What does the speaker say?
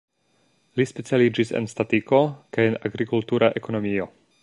Li specialiĝis en statistiko kaj en agrikultura ekonomio.